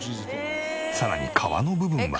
さらに皮の部分は。